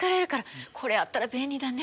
これあったら便利だね。